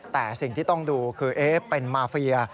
แต่สิ่งที่ต้องดูคือเป็นมาเฟีย